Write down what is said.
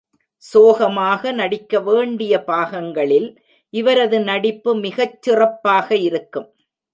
சோகமாக நடிக்க வேண்டிய பாகங்களில் இவரது நடிப்பு மிகச் சிறப்பாக இருக்கும்.